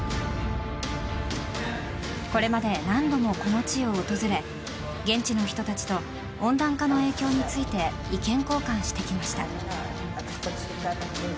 これまで何度もこの地を訪れ現地の人たちと温暖化の影響について意見交換してきました。